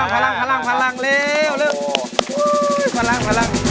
พลัง